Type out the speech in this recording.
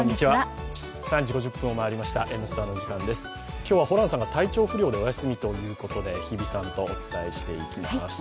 今日はホランさんが体調不良でお休みということで、日比さんとお伝えしていきます。